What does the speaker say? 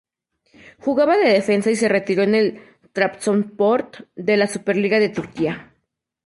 Jugaba de defensa y se retiró en el Trabzonspor de la Superliga de Turquía.